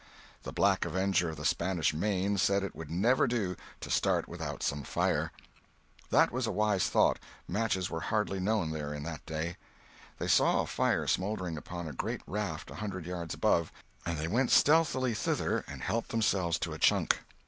The Black Avenger of the Spanish Main said it would never do to start without some fire. That was a wise thought; matches were hardly known there in that day. They saw a fire smouldering upon a great raft a hundred yards above, and they went stealthily thither and helped themselves to a chunk.